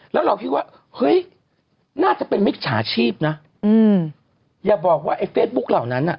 แล้วเราคิดว่าเฮ้ยน่าจะเป็นมิจฉาชีพนะอย่าบอกว่าไอ้เฟซบุ๊คเหล่านั้นน่ะ